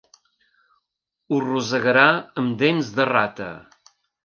Ho rosegarà amb dents de rata.